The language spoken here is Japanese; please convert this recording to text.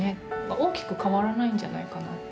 大きく変わらないんじゃないかなって。